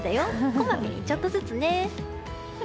こまめに、ちょっとずつね。